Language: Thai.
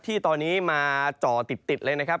ที่ตอนนี้มาจ่อติดเลยนะครับ